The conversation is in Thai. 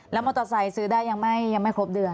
มอเตอร์ไซค์ซื้อได้ยังไม่ครบเดือน